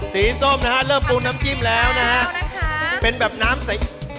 สีส้มนะคะเริ่มปรุงน้ำจิ้มแล้วนะคะเป็นแบบน้ำใสนะ